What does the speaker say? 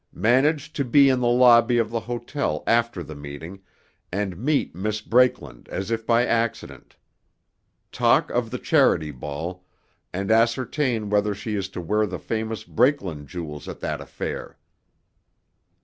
Manage to be in the lobby of the hotel after the meeting, and meet Miss Brakeland as if by accident. Talk of the Charity Ball, and ascertain whether she is to wear the famous Brakeland jewels at that affair.